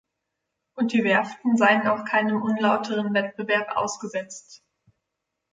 Und die Werften seien auch keinem unlauteren Wettbewerb ausgesetzt.